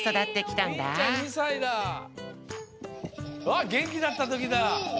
わっげんきだったときだ！